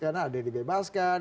karena ada yang dibebaskan